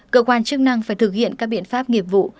cơ quan chức năng phải thực hiện các biện pháp nghiệp vụ